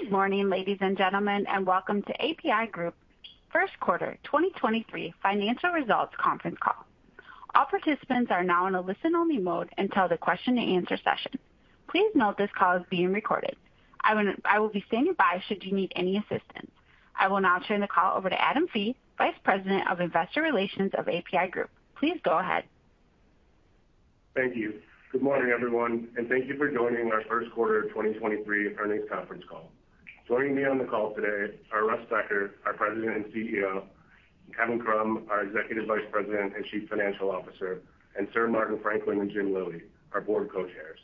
Good morning, ladies and gentlemen, welcome to APi Group Q1 2023 Financial Results Conference Call. All participants are now in a listen-only mode until the question and answer session. Please note this call is being recorded. I will be standing by should you need any assistance. I will now turn the call over to Adam Fee, Vice President of Investor Relations of APi Group. Please go ahead. Thank you. Good morning, everyone thank you for joining our Q1 of 2023 earnings conference call. Joining me on the call today are Russ Becker, our President and CEO, Kevin Krumm, our Executive Vice President and Chief Financial officer Sir Martin Franklin and Jim Lillie, our board co-chairs.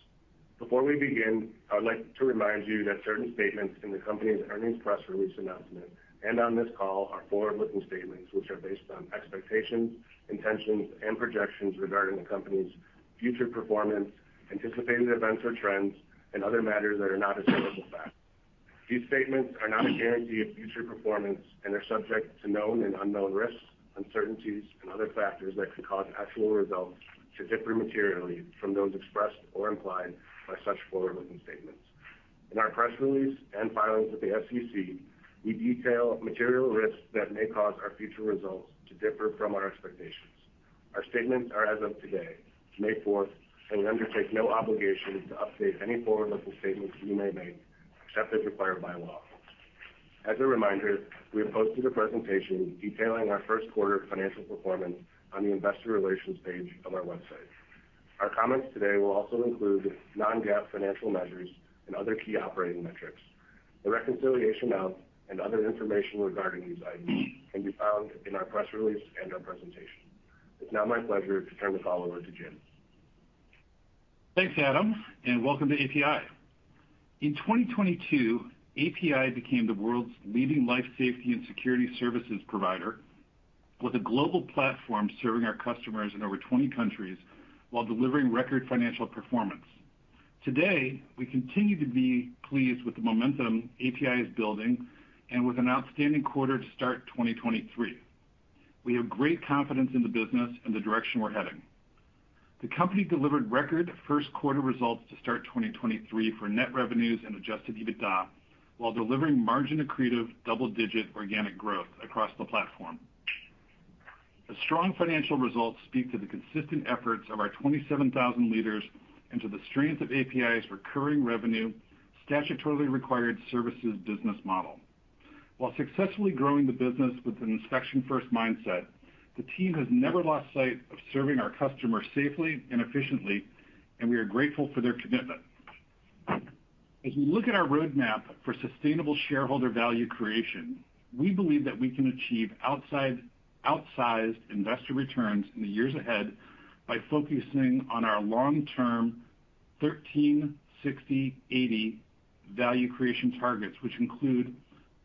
Before we begin, I would like to remind you that certain statements in the company's earnings press release announcement and on this call are forward-looking statements which are based on expectations, intentions projections regarding the company's future performance, anticipated events or trends other matters that are not historical facts. These statements are not a guarantee of future performance and are subject to known and unknown risks, uncertainties and other factors that could cause actual results to differ materially from those expressed or implied by such forward-looking statements. In our press release and filings with the SEC, we detail material risks that may cause our future results to differ from our expectations. Our statements are as of today, May fourth we undertake no obligation to update any forward-looking statements we may make, except as required by law. As a reminder, we have posted a presentation detailing our Q1 financial performance on the investor relations page of our website. Our comments today will also include non-GAAP financial measures and other key operating metrics. The reconciliation of and other information regarding these items can be found in our press release and our presentation. It's now my pleasure to turn the call over to Jim. Thanks, Adam welcome to APi. In 2022, APi became the world's leading life safety and security services provider with a global platform serving our customers in over 20 countries while delivering record financial performance. Today, we continue to be pleased with the momentum APi is building and with an outstanding quarter to start 2023. We have great confidence in the business and the direction we're heading. The company delivered record Q1 results to start 2023 for net revenues and adjusted EBITDA while delivering margin-accretive double-digit organic growth across the platform. The strong financial results speak to the consistent efforts of our 27,000 leaders and to the strength of APi's recurring revenue, statutorily required services business model. While successfully growing the business with an inspection first mindset, the team has never lost sight of serving our customers safely and efficiently we are grateful for their commitment. As we look at our roadmap for sustainable shareholder value creation, we believe that we can achieve outsized investor returns in the years ahead by focusing on our long-term 13/60/80 value creation targets, which include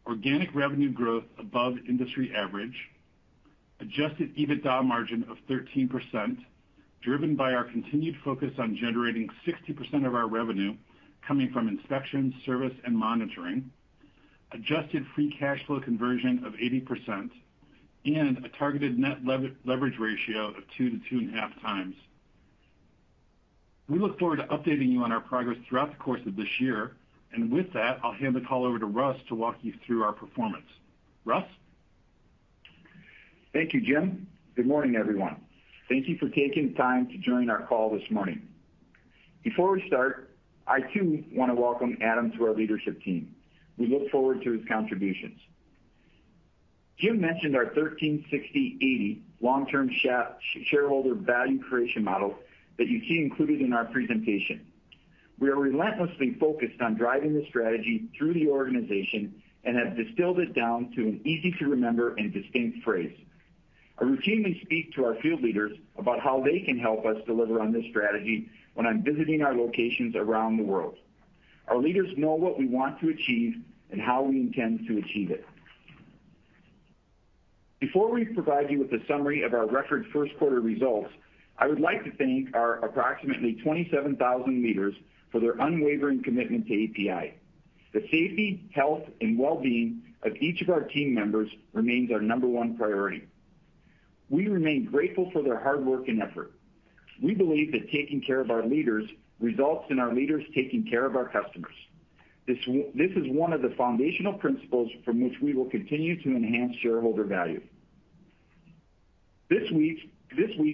organic revenue growth above industry average, adjusted EBITDA margin of 13%, driven by our continued focus on generating 60% of our revenue coming from inspection, service monitoring, adjusted free cash flow conversion of 80% a targeted net leverage ratio of 2 to 2.5 times. We look forward to updating you on our progress throughout the course of this year. With that, I'll hand the call over to Russ to walk you through our performance. Russ? Thank you, Jim. Good morning, everyone. Thank you for taking time to join our call this morning. Before we start, I too want to welcome Adam to our leadership team. We look forward to his contributions. Jim mentioned our 13/60/80 long-term shareholder value creation model that you see included in our presentation. We are relentlessly focused on driving the strategy through the organization and have distilled it down to an easy-to-remember and distinct phrase. I routinely speak to our field leaders about how they can help us deliver on this strategy when I'm visiting our locations around the world. Our leaders know what we want to achieve and how we intend to achieve it. Before we provide you with a summary of our record Q1 results, I would like to thank our approximately 27,000 leaders for their unwavering commitment to APi. The safety, health well-being of each of our team members remains our number one priority. We remain grateful for their hard work and effort. We believe that taking care of our leaders results in our leaders taking care of our customers. This is one of the foundational principles from which we will continue to enhance shareholder value. This week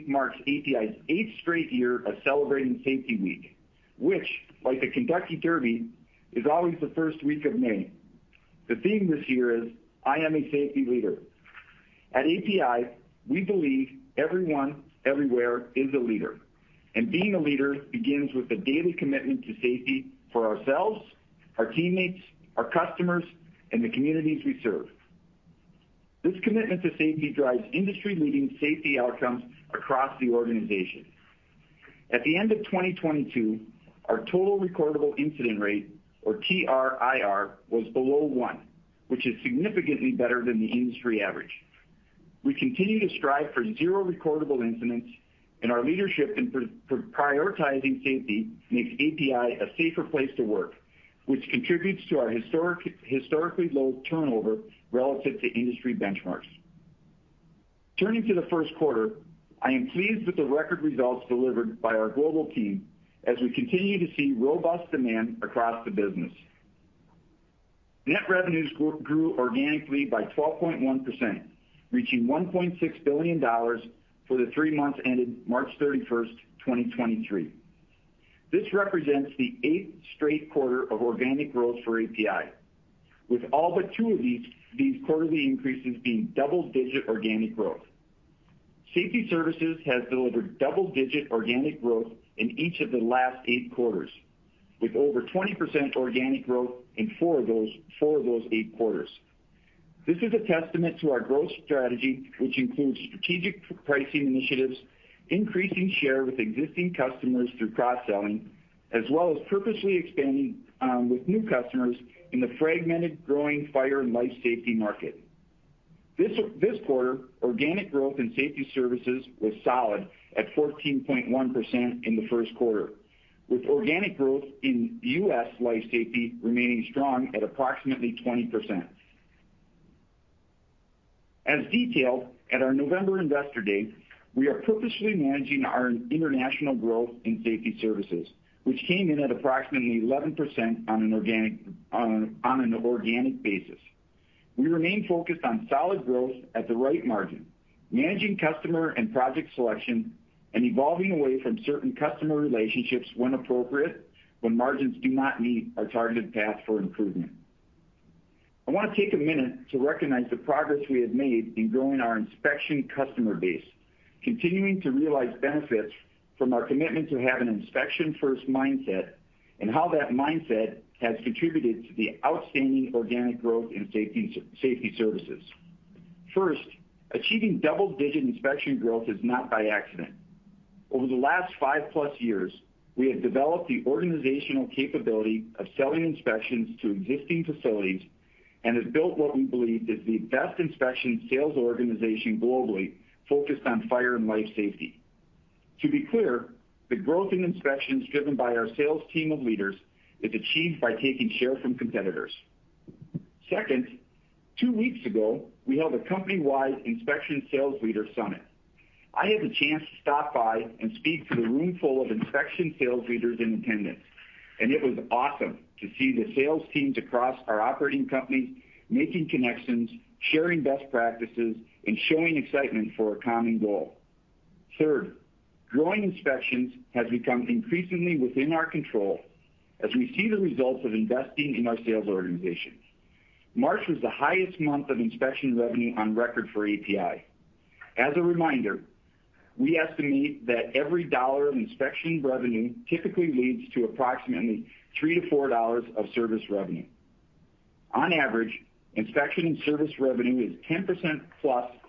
marks APi's eighth straight year of celebrating Safety Week, which, like the Kentucky Derby, is always the first week of May. The theme this year is, I am a safety leader. At APi, we believe everyone everywhere is a leader being a leader begins with a daily commitment to safety for ourselves, our teammates, our customers the communities we serve. This commitment to safety drives industry-leading safety outcomes across the organization. At the end of 2022, our total recordable incident rate, or TRIR, was below 1, which is significantly better than the industry average. We continue to strive for zero recordable incidents, our leadership in prioritizing safety makes APi a safer place to work, which contributes to our historically low turnover relative to industry benchmarks. Turning to the Q1, I am pleased with the record results delivered by our global team as we continue to see robust demand across the business. Net revenues grew organically by 12.1%, reaching $1.6 billion for the 3 months ended March 31st, 2023. This represents the eighth straight quarter of organic growth for APi, with all but 2 of these quarterly increases being double-digit organic growth. Safety Services has delivered double-digit organic growth in each of the last eight quarters, with over 20% organic growth in four of those eight quarters. This is a testament to our growth strategy, which includes strategic pricing initiatives, increasing share with existing customers through cross-selling, as well as purposely expanding with new customers in the fragmented growing fire and Life Safety market. This quarter, organic growth in Safety Services was solid at 14.1% in the Q1, with organic growth in U.S. Life Safety remaining strong at approximately 20%. As detailed at our November Investor Day, we are purposely managing our international growth in Safety Services, which came in at approximately 11% on an organic basis. We remain focused on solid growth at the right margin, managing customer and project selection and evolving away from certain customer relationships when appropriate, when margins do not meet our targeted path for improvement. I wanna take a minute to recognize the progress we have made in growing our inspection customer base, continuing to realize benefits from our commitment to have an inspection-first mindset how that mindset has contributed to the outstanding organic growth in Safety Services. Achieving double-digit inspection growth is not by accident. Over the last 5-plus years, we have developed the organizational capability of selling inspections to existing facilities and have built what we believe is the best inspection sales organization globally focused on fire and life safety. To be clear, the growth in inspections driven by our sales team of leaders is achieved by taking shares from competitors. Two weeks ago, we held a company-wide inspection sales leader summit. I had the chance to stop by and speak to the room full of inspection sales leaders in attendance it was awesome to see the sales teams across our operating companies making connections, sharing best practices showing excitement for a common goal. Growing inspections has become increasingly within our control as we see the results of investing in our sales organizations. March was the highest month of inspection revenue on record for APi. As a reminder, we estimate that every dollar of inspection revenue typically leads to approximately $3-$4 of service revenue. On average, inspection service revenue is 10%+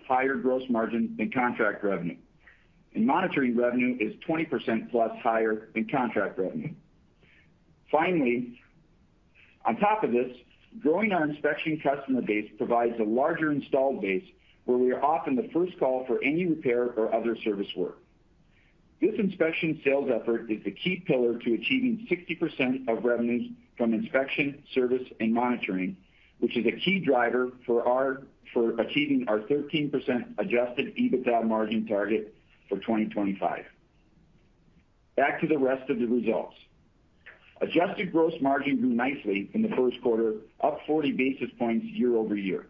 higher gross margin than contract revenue monitoring revenue is 20%+ higher than contract revenue. On top of this, growing our inspection customer base provides a larger installed base where we are often the first call for any repair or other service work. This inspection sales effort is the key pillar to achieving 60% of revenues from inspection, service monitoring, which is a key driver for achieving our 13% adjusted EBITDA margin target for 2025. Back to the rest of the results. Adjusted gross margin grew nicely in the Q1, up 40 basis points year-over-year.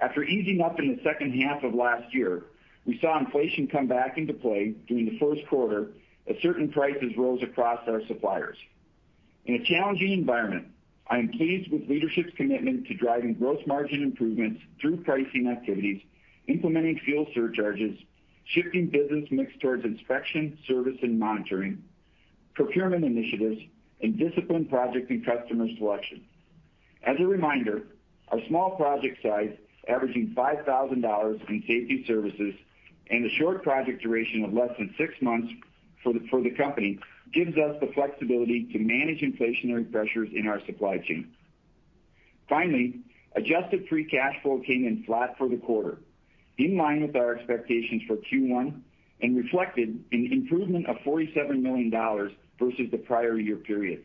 After easing up in the second half of last year, we saw inflation come back into play during the Q1 as certain prices rose across our suppliers. In a challenging environment, I am pleased with leadership's commitment to driving gross margin improvements through pricing activities, implementing fuel surcharges, shifting business mix towards inspection, service monitoring, procurement initiatives disciplined project and customer selection. As a reminder, our small project size, averaging $5,000 in Safety Services and a short project duration of less than 6 months for the company, gives us the flexibility to manage inflationary pressures in our supply chain. Finally, adjusted free cash flow came in flat for the quarter, in line with our expectations for Q1 and reflected an improvement of $47 million versus the prior year period.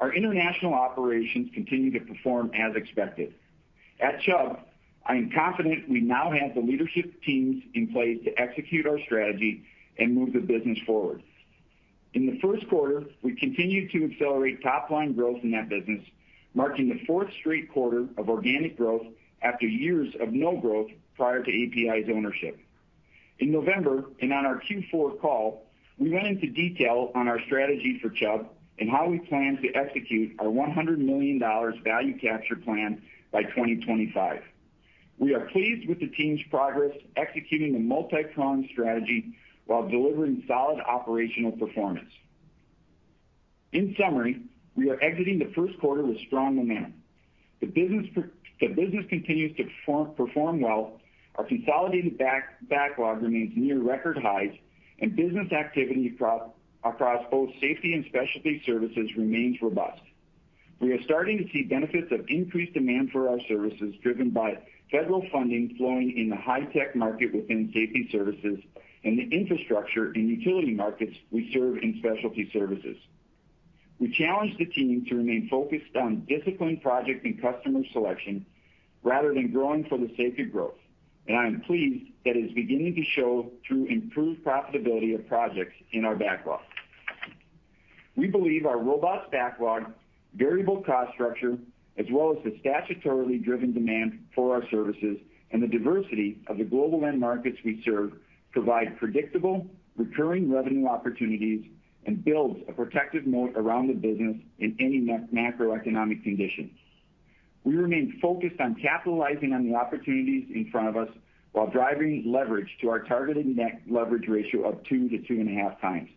Our international operations continue to perform as expected. At Chubb, I am confident we now have the leadership teams in place to execute our strategy and move the business forward. In the Q1, we continued to accelerate top line growth in that business, marking the fourth straight quarter of organic growth after years of no growth prior to APi's ownership. In November, on our Q4 call, we went into detail on our strategy for Chubb and how we plan to execute our $100 million value capture plan by 2025. We are pleased with the team's progress executing the multi-pronged strategy while delivering solid operational performance. In summary, we are exiting the Q1 with strong demand. The business continues to perform well, our consolidated backlog remains near record highs business activity across both Safety and Specialty Services remains robust. We are starting to see benefits of increased demand for our services, driven by federal funding flowing in the high-tech market within Safety Services and the infrastructure and utility markets we serve in Specialty Services. We challenged the team to remain focused on disciplined project and customer selection rather than growing for the sake of growth. I am pleased that it is beginning to show through improved profitability of projects in our backlog. We believe our robust backlog, variable cost structure, as well as the statutorily driven demand for our services and the diversity of the global end markets we serve provide predictable, recurring revenue opportunities and builds a protective moat around the business in any macroeconomic conditions. We remain focused on capitalizing on the opportunities in front of us while driving leverage to our targeted net leverage ratio of 2-2.5 times,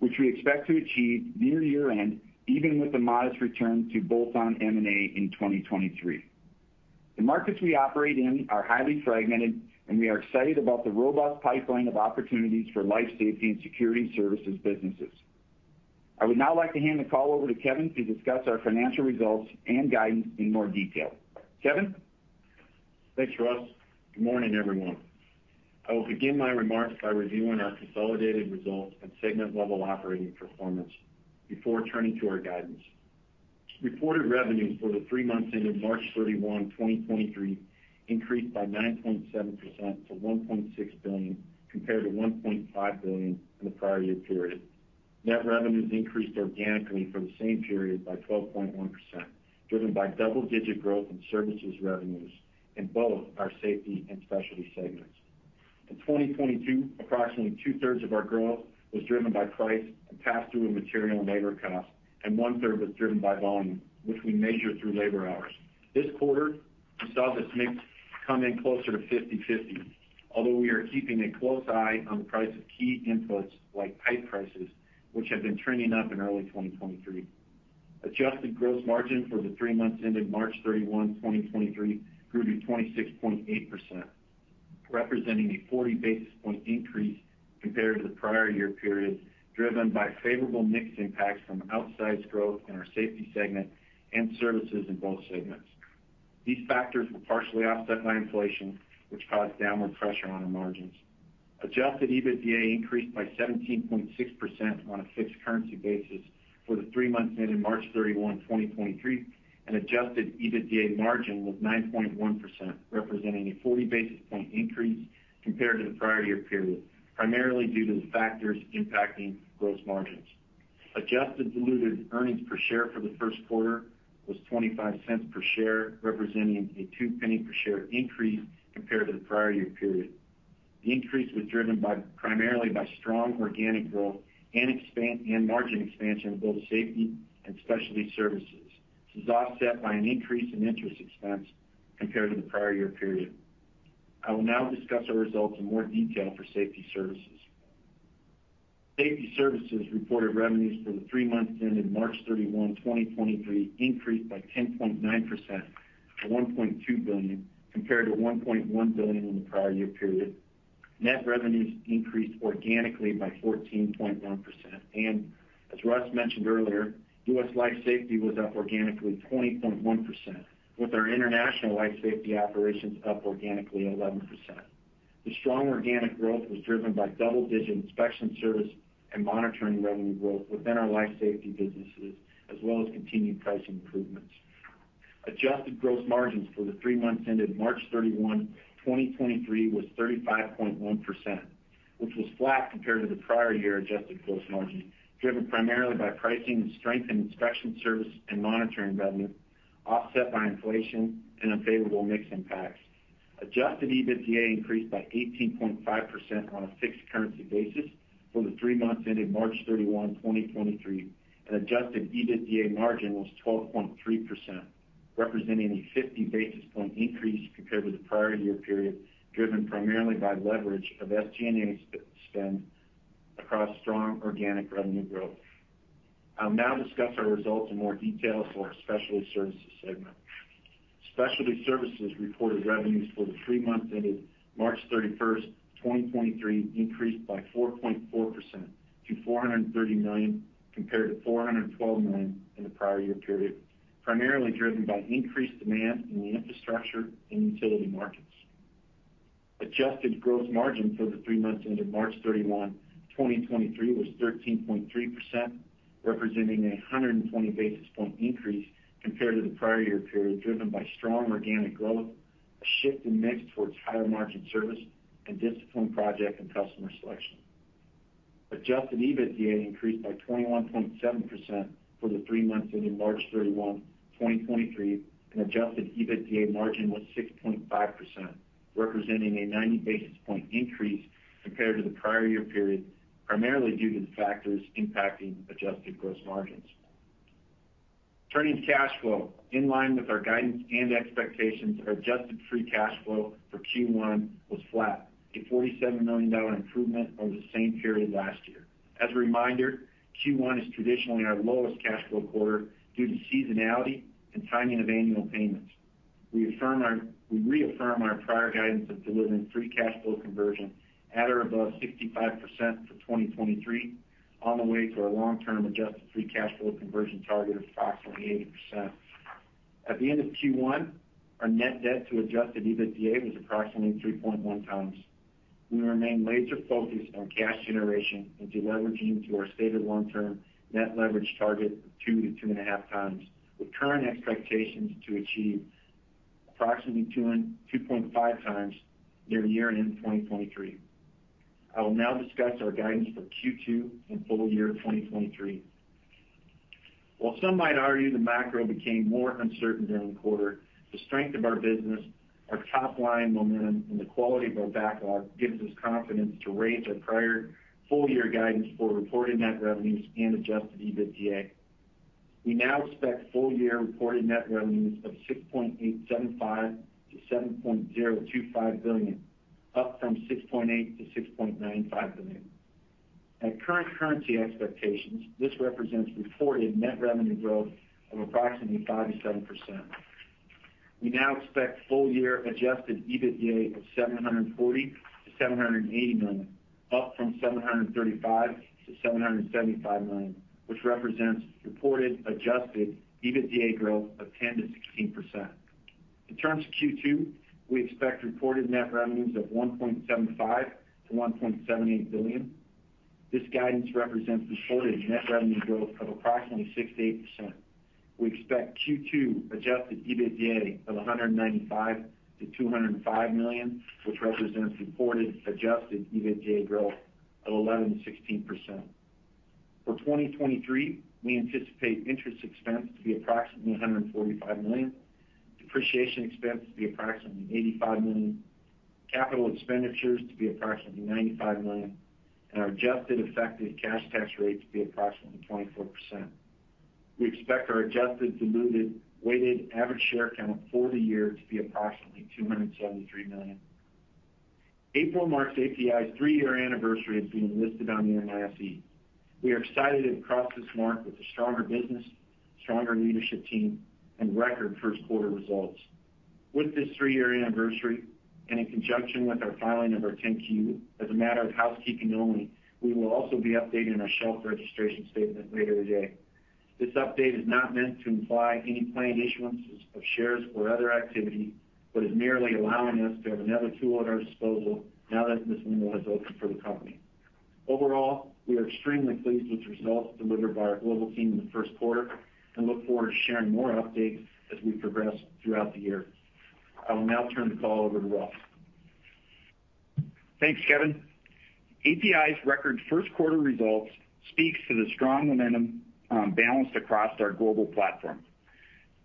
which we expect to achieve near year-end, even with a modest return to bolt-on M&A in 2023. The markets we operate in are highly fragmented. We are excited about the robust pipeline of opportunities for life safety and security services businesses. I would now like to hand the call over to Kevin to discuss our financial results and guidance in more detail. Kevin? Thanks, Russ. Good morning, everyone. I will begin my remarks by reviewing our consolidated results and segment level operating performance before turning to our guidance. Reported revenues for the three months ended March 31, 2023, increased by 9.7% to $1.6 billion, compared to $1.5 billion in the prior year period. Net revenues increased organically for the same period by 12.1%, driven by double-digit growth in services revenues in both our Safety and Specialty segments. In 2022, approximately two-thirds of our growth was driven by price and pass-through of material and labor costs one-third was driven by volume, which we measure through labor hours. This quarter, we saw this mix come in closer to 50/50, although we are keeping a close eye on the price of key inputs like pipe prices, which have been trending up in early 2023. Adjusted gross margin for the three months ended March 31, 2023 grew to 26.8%, representing a 40 basis point increase compared to the prior year period, driven by favorable mix impacts from outsized growth in our Safety segment and services in both segments. These factors were partially offset by inflation, which caused downward pressure on our margins. Adjusted EBITDA increased by 17.6% on a fixed currency basis for the three months ended March 31, 2023 adjusted EBITDA margin was 9.1%, representing a 40 basis point increase compared to the prior year period, primarily due to the factors impacting gross margins. Adjusted diluted earnings per share for the Q1 was $0.25 per share, representing a $0.02 per share increase compared to the prior year period. The increase was driven primarily by strong organic growth and margin expansion in both Safety Services and Specialty Services. This is offset by an increase in interest expense compared to the prior year period. I will now discuss our results in more detail for Safety Services. Safety Services reported revenues for the 3 months ended March 31, 2023 increased by 10.9% to $1.2 billion, compared to $1.1 billion in the prior year period. Net revenues increased organically by 14.1%. As Russ mentioned earlier, U.S. Life Safety was up organically 20.1%, with our international Life Safety operations up organically 11%. The strong organic growth was driven by double-digit inspection service and monitoring revenue growth within our Life Safety businesses, as well as continued pricing improvements. Adjusted gross margins for the three months ended March 31, 2023 was 35.1%, which was flat compared to the prior year adjusted gross margin, driven primarily by pricing and strength in inspection service and monitoring revenue, offset by inflation and unfavorable mix impacts. Adjusted EBITDA increased by 18.5% on a fixed currency basis for the three months ended March 31, 2023. Adjusted EBITDA margin was 12.3%, representing a 50 basis point increase compared with the prior year period, driven primarily by leverage of SG&A spend across strong organic revenue growth. I'll now discuss our results in more detail for our Specialty Services segment. Specialty Services reported revenues for the 3 months ended March 31st, 2023 increased by 4.4% to $430 million, compared to $412 million in the prior year period, primarily driven by increased demand in the infrastructure and utility markets. Adjusted gross margin for the 3 months ended March 31, 2023 was 13.3%, representing a 120 basis point increase compared to the prior year period, driven by strong organic growth, a shift in mix towards higher margin service disciplined project and customer selection. Adjusted EBITDA increased by 21.7% for the 3 months ended March 31, 2023 adjusted EBITDA margin was 6.5%, representing a 90 basis point increase compared to the prior year period, primarily due to the factors impacting adjusted gross margins. Turning to cash flow. In line with our guidance and expectations, our adjusted free cash flow for Q1 was flat, a $47 million improvement over the same period last year. As a reminder, Q1 is traditionally our lowest cash flow quarter due to seasonality and timing of annual payments. We reaffirm our prior guidance of delivering free cash flow conversion at or above 65% for 2023 on the way to our long-term adjusted free cash flow conversion target of approximately 80%. At the end of Q1, our net debt to adjusted EBITDA was approximately 3.1 times. We remain laser focused on cash generation and deleveraging to our stated long-term net leverage target of 2-2.5 times, with current expectations to achieve approximately 2 and 2.5 times near year-end 2023. I will now discuss our guidance for Q2 and full year 2023. While some might argue the macro became more uncertain during the quarter, the strength of our business, our top line momentum and the quality of our backlog gives us confidence to raise our prior full year guidance for reported net revenues and adjusted EBITDA. We now expect full year reported net revenues of $6.875 billion-$7.025 billion, up from $6.8 billion-$6.95 billion. At current currency expectations, this represents reported net revenue growth of approximately 5%-7%. We now expect full year adjusted EBITDA of $740 million-$780 million, up from $735 million-$775 million, which represents reported adjusted EBITDA growth of 10%-16%. In terms of Q2, we expect reported net revenues of $1.75 billion-$1.78 billion. This guidance represents reported net revenue growth of approximately 6%-8%. We expect Q2 adjusted EBITDA of $195 million-$205 million, which represents reported adjusted EBITDA growth of 11%-16%. For 2023, we anticipate interest expense to be approximately $145 million, depreciation expense to be approximately $85 million, capital expenditures to be approximately $95 million our adjusted effective cash tax rate to be approximately 24%. We expect our adjusted diluted weighted average share count for the year to be approximately 273 million. April marks APi's three-year anniversary of being listed on the NYSE. We are excited to have crossed this mark with a stronger business, stronger leadership team record Q1 results. With this three-year anniversary in conjunction with our filing of our 10-Q, as a matter of housekeeping only, we will also be updating our shelf registration statement later today. This update is not meant to imply any planned issuances of shares or other activity is merely allowing us to have another tool at our disposal now that this window has opened for the company. Overall, we are extremely pleased with the results delivered by our global team in the Q1 and look forward to sharing more updates as we progress throughout the year. I will now turn the call over to Russ. Thanks, Kevin. APi's record Q1 results speaks to the strong momentum, balanced across our global platform.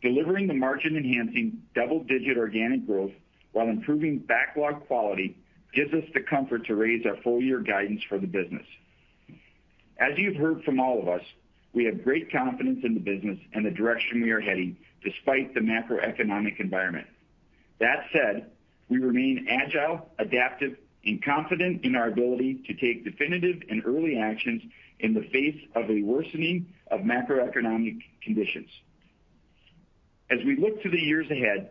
Delivering the margin enhancing double-digit organic growth while improving backlog quality gives us the comfort to raise our full year guidance for the business. As you've heard from all of us, we have great confidence in the business and the direction we are heading despite the macroeconomic environment. That said, we remain agile, adaptive confident in our ability to take definitive and early actions in the face of a worsening of macroeconomic conditions. As we look to the years ahead,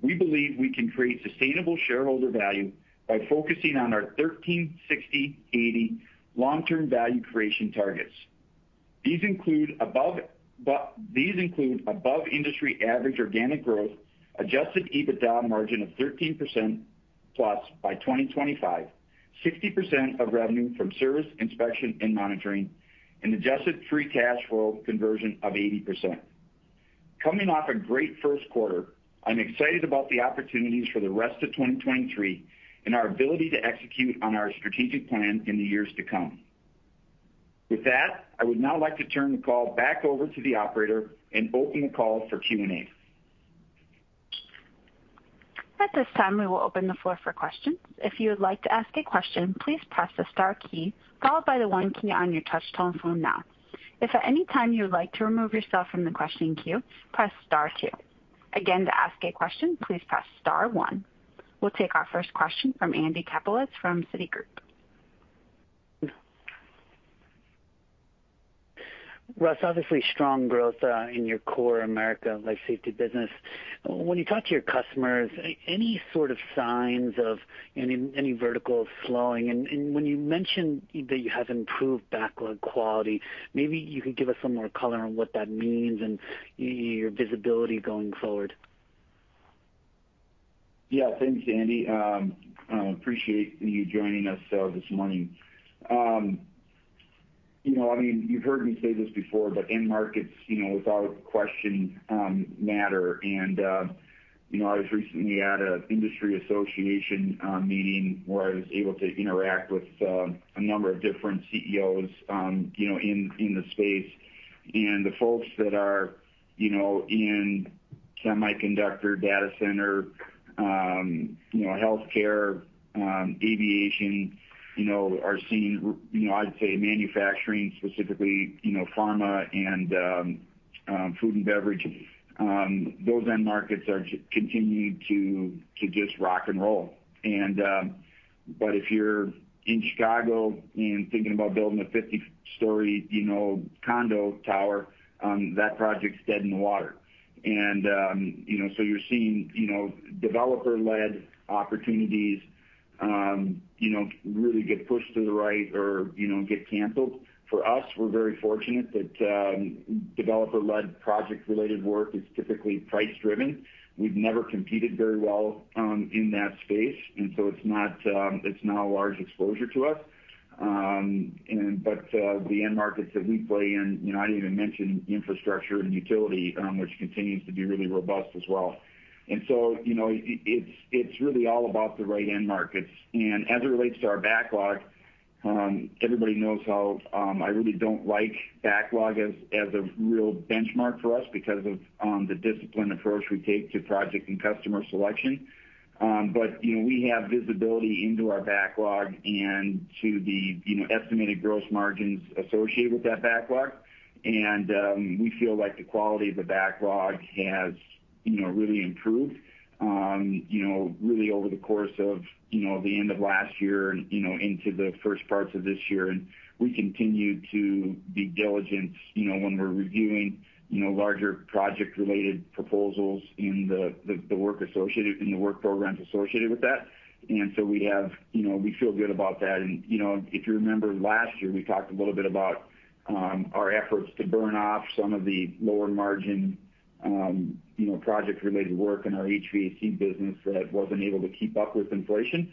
we believe we can create sustainable shareholder value by focusing on our 13, 60, 80 long-term value creation targets. These include above industry average organic growth, adjusted EBITDA margin of 13%+ by 2025, 60% of revenue from service, inspection and monitoring adjusted free cash flow conversion of 80%. Coming off a great Q1, I'm excited about the opportunities for the rest of 2023 and our ability to execute on our strategic plan in the years to come. With that, I would now like to turn the call back over to the operator and open the call for Q&A. At this time, we will open the floor for questions. If you would like to ask a question, please press the star key followed by the one key on your touch tone phone now. If at any time you would like to remove yourself from the question queue, press star two. Again, to ask a question, please press star one. We'll take our first question from Andrew Kaplowitz from Citigroup. Russ, obviously strong growth, in your core America Life Safety business. When you talk to your customers, any sort of signs of any vertical slowing? When you mention that you have improved backlog quality, maybe you could give us some more color on what that means and your visibility going forward. Yeah. Thanks Andrew. I appreciate you joining us this morning. You know, I mean, you've heard me say this before end markets, you know, without question, matter. I was recently at an industry association meeting where I was able to interact with a number of different CEOs, you know, in the space. The folks that are, you know, in semiconductor, data center, healthcare, aviation, you know, are seeing, you know, I'd say manufacturing specifically, you know, pharma and... Food and beverage, those end markets are continuing to just rock and roll. But if you're in Chicago and thinking about building a 50-story, you know, condo tower, that project's dead in the water. You know, you're seeing, you know, developer-led opportunities, you know, really get pushed to the right or, you know, get canceled. For us, we're very fortunate that developer-led project-related work is typically price-driven. We've never competed very well in that space, it's not a large exposure to us. But the end markets that we play in, you know, I didn't even mention infrastructure and utility, which continues to be really robust as well. You know, it's really all about the right end markets. As it relates to our backlog, everybody knows how I really don't like backlog as a real benchmark for us because of the disciplined approach we take to project and customer selection. We have visibility into our backlog and to the estimated gross margins associated with that backlog. We feel like the quality of the backlog has really improved, really over the course of the end of last year and into the first parts of this year. We continue to be diligent, when we're reviewing, larger project-related proposals in the work programs associated with that. We have, we feel good about that. If you remember last year, we talked a little bit about our efforts to burn off some of the lower margin, project-related work in our HVAC business that wasn't able to keep up with inflation.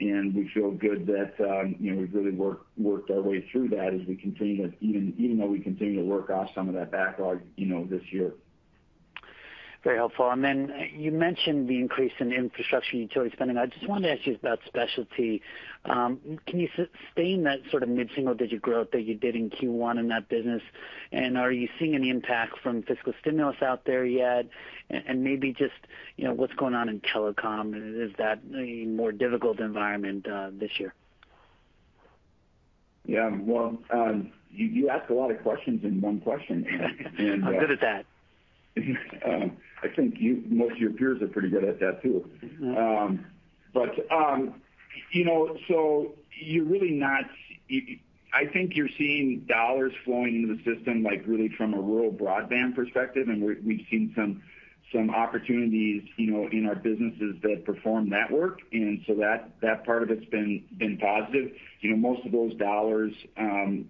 We feel good that we've really worked our way through that as we continue to even though we continue to work off some of that backlog this year. Very helpful. You mentioned the increase in infrastructure and utility spending. I just wanted to ask you about specialty. Can you sustain that sort of mid-single-digit growth that you did in Q1 in that business? Are you seeing any impact from fiscal stimulus out there yet? Maybe just, you know, what's going on in telecom? Is that a more difficult environment, this year? Yeah. Well, you ask a lot of questions in one question. I'm good at that. I think most of your peers are pretty good at that, too. You know, I think you're seeing dollars flowing into the system, like, really from a rural broadband perspective we've seen some opportunities, you know, in our businesses that perform that work. That part of it's been positive. You know, most of those dollars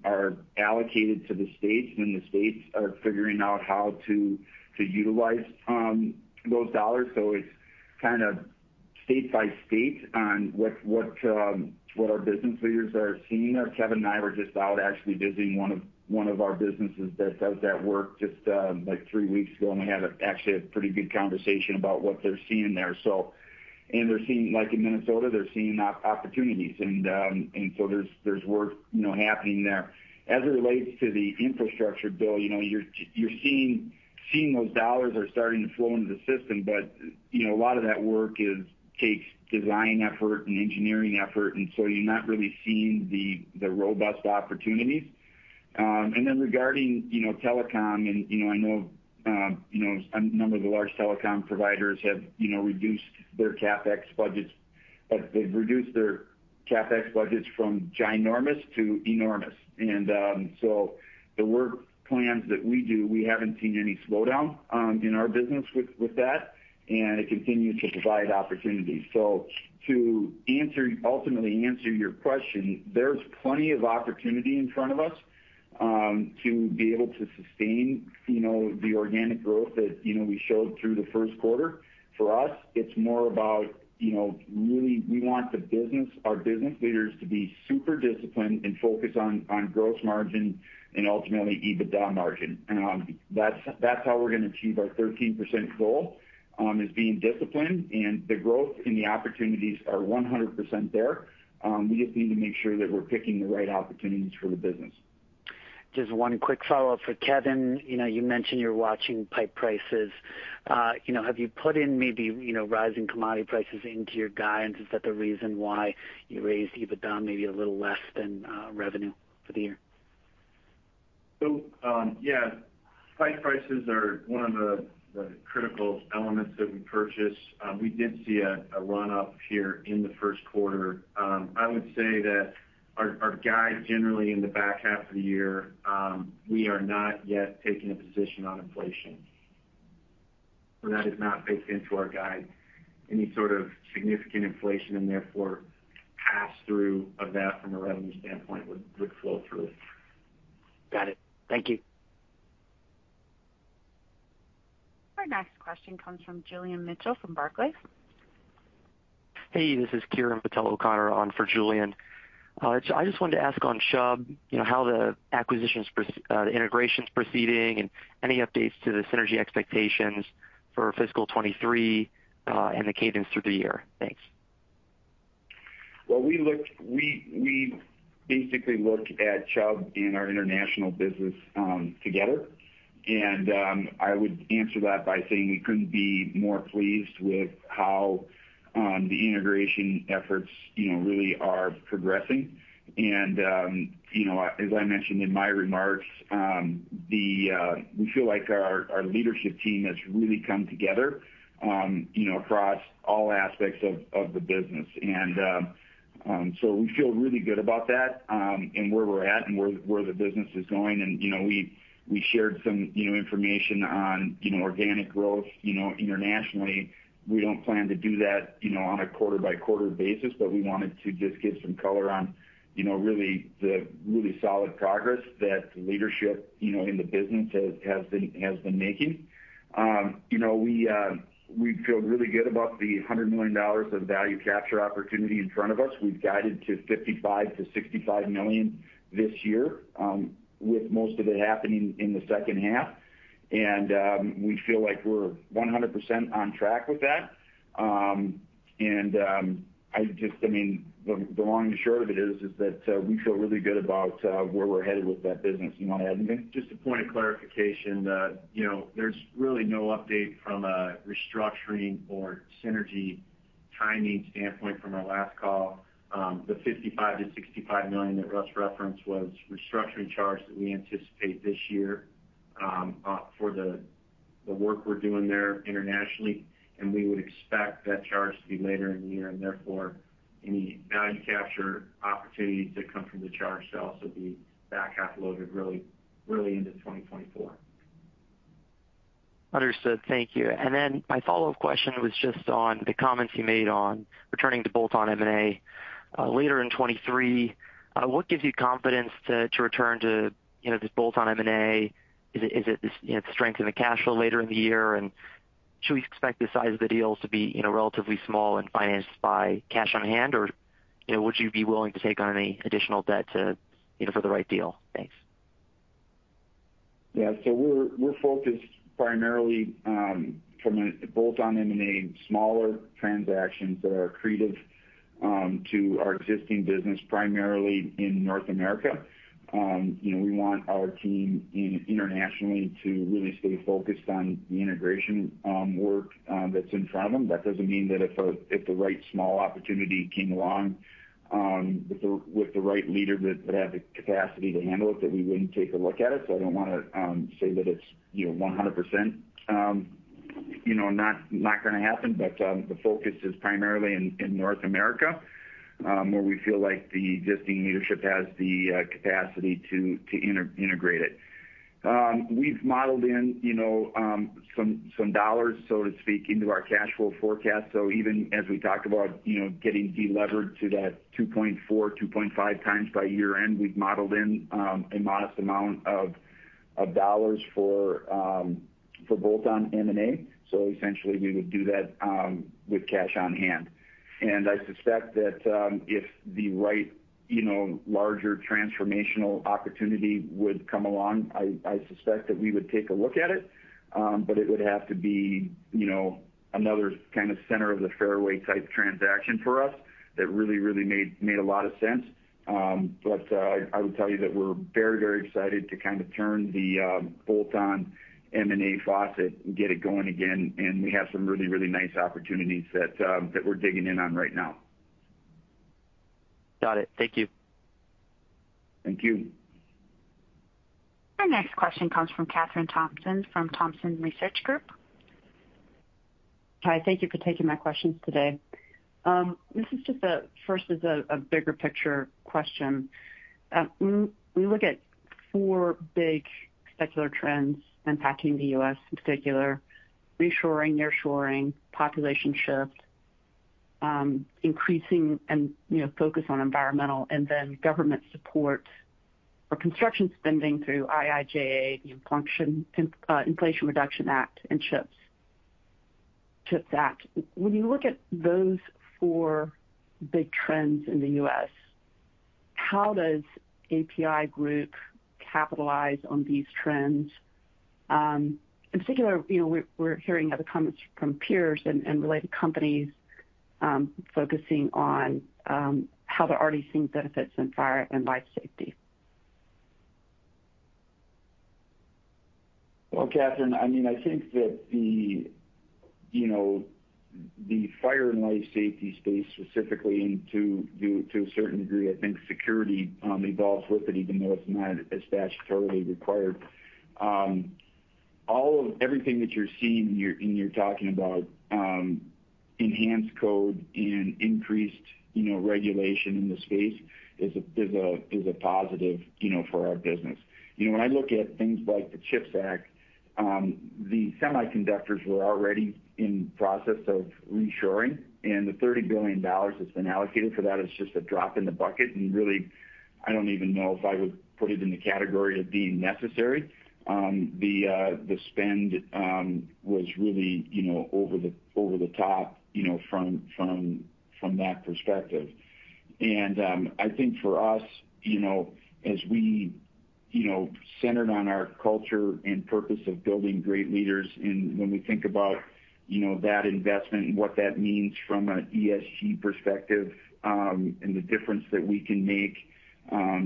are allocated to the states the states are figuring out how to utilize those dollars. It's kind of state by state on what our business leaders are seeing. Kevin and I were just out actually visiting one of our businesses that does that work just, like, 3 weeks ago we had actually a pretty good conversation about what they're seeing there. They're seeing, like in Minnesota, they're seeing opportunities. There's work, you know, happening there. As it relates to the infrastructure bill, you know, you're seeing those dollars are starting to flow into the system. A lot of that work takes design effort and engineering effort, you're not really seeing the robust opportunities. Regarding, you know, telecom, you know, I know, you know, a number of the large telecom providers have, you know, reduced their CapEx budgets, they've reduced their CapEx budgets from ginormous to enormous. The work plans that we do, we haven't seen any slowdown in our business with that, it continued to provide opportunities. Ultimately answer your question. There's plenty of opportunity in front of us to be able to sustain, you know, the organic growth that, you know, we showed through the Q1. For us, it's more about, you know, really we want the business, our business leaders to be super disciplined and focused on gross margin and ultimately EBITDA margin. That's how we're gonna achieve our 13% goal is being disciplined. The growth and the opportunities are 100% there. We just need to make sure that we're picking the right opportunities for the business. Just one quick follow-up for Kevin. You know, you mentioned you're watching pipe prices. You know, have you put in maybe, you know, rising commodity prices into your guidance? Is that the reason why you raised EBITDA maybe a little less than revenue for the year? Yeah, pipe prices are one of the critical elements that we purchase. We did see a run-up here in the Q1. I would say that our guide generally in the back half of the year, we are not yet taking a position on inflation. That is not baked into our guide, any sort of significant inflation and therefore pass-through of that from a revenue standpoint would flow through. Got it. Thank you. Our next question comes from Julian Mitchell from Barclays. Hey, this is Kiran Patel-O'Connor on for Julian. I just wanted to ask on Chubb, you know, how the integration's proceeding and any updates to the synergy expectations for fiscal 2023 and the cadence through the year? Thanks. Well, we basically looked at Chubb and our international business together. I would answer that by saying we couldn't be more pleased with how the integration efforts, you know, really are progressing. As I mentioned in my remarks, we feel like our leadership team has really come together, you know, across all aspects of the business. So we feel really good about that and where we're at and where the business is going. We shared some, you know, information on, you know, organic growth, you know, internationally. We don't plan to do that, you know, on a quarter-by-quarter basis we wanted to just give some color on, you know, really the really solid progress that leadership, you know, in the business has been making. you know, we feel really good about the $100 million of value capture opportunity in front of us. We've guided to $55 million-$65 million this year, with most of it happening in the second half. we feel like we're 100% on track with that. I mean, the long and short of it is that we feel really good about where we're headed with that business going ahead. Just a point of clarification that, you know, there's really no update from a restructuring or synergy timing standpoint from our last call. The $55 million-$65 million that Russ referenced was restructuring charge that we anticipate this year for the work we're doing there internationally we would expect that charge to be later in the year. Therefore, any value capture opportunities that come from the charge to also be back half loaded really into 2024. Understood. Thank you. My follow-up question was just on the comments you made on returning to bolt-on M&A later in 2023. What gives you confidence to return to, you know, this bolt-on M&A? Is it this, you know, strength in the cash flow later in the year? Should we expect the size of the deals to be, you know, relatively small and financed by cash on hand? Would you be willing to take on any additional debt to, you know, for the right deal? Thanks. Yeah. We're focused primarily from a bolt-on M&A, smaller transactions that are accretive to our existing business, primarily in North America. You know, we want our team internationally to really stay focused on the integration work that's in front of them. That doesn't mean that if the right small opportunity came along with the right leader that had the capacity to handle it, that we wouldn't take a look at it. I don't wanna say that it's, you know, 100%, you know, not gonna happen. The focus is primarily in North America, where we feel like the existing leadership has the capacity to integrate it. We've modeled in, you know, some dollars, so to speak, into our cash flow forecast. Even as we talked about, you know, getting de-levered to that 2.4-2.5x by year-end, we've modeled in a modest amount of dollars for bolt-on M&A. Essentially, we would do that with cash on hand. I suspect that, if the right, you know, larger transformational opportunity would come along, I suspect that we would take a look at it. It would have to be, you know, another kind of center of the fairway type transaction for us that really made a lot of sense. I would tell you that we're very excited to kind of turn the bolt-on M&A faucet and get it going again. We have some really nice opportunities that we're digging in on right now. Got it. Thank you. Thank you. Our next question comes from Kathryn Thompson from Thompson Research Group. Hi, thank you for taking my questions today. This is just first is a bigger picture question. We look at four big secular trends impacting the U.S., in particular reshoring, nearshoring, population shift, increasing and, you know, focus on environmental and then government support or construction spending through IIJA, you know, function, Inflation Reduction Act and CHIPS Act. When you look at those four big trends in the U.S., how does APi Group capitalize on these trends? In particular, you know, we're hearing other comments from peers and related companies, focusing on how they're already seeing benefits in fire and life safety. Well, Kathryn, I mean, I think that the, you know, the fire and life safety space specifically to a certain degree, I think security evolves with it, even though it's not as statutorily required. All of everything that you're seeing and you're talking about enhanced code and increased, you know, regulation in the space is a positive, you know, for our business. You know, when I look at things like the CHIPS Act, the semiconductors were already in process of reshoring the $30 billion that's been allocated for that is just a drop in the bucket. Really, I don't even know if I would put it in the category of being necessary. The spend was really, you know, over the top, you know, from that perspective. I think for us, you know, centered on our culture and purpose of building great leaders. When we think about, you know, that investment and what that means from an ESG perspective the difference that we can make,